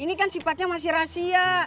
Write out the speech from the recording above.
ini kan sifatnya masih rahasia